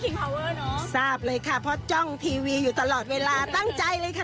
พาเวอร์เนอะทราบเลยค่ะเพราะจ้องทีวีอยู่ตลอดเวลาตั้งใจเลยค่ะ